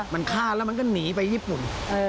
มันฆ่าแล้วมันก็หนีไปญี่ปุ่น